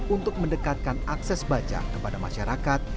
untuk mendekatkan akses baca kepada masyarakat